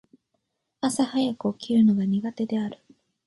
朝早く起きるのが苦手である。